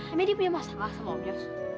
emang dia punya masalah sama om yos